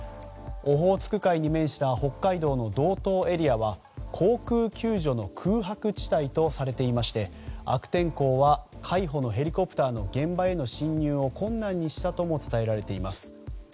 オホーツク海に面した北海道の道東エリアは航空救助の空白地帯とされていまして悪天候は海保のヘリコプターの現場への進入を困難にしたとも伝えられています。